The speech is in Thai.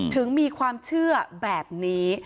ถึงมีความเชื่อแบบนี้